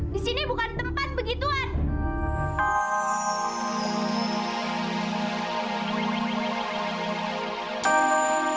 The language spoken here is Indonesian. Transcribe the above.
di sini bukan tempat begituan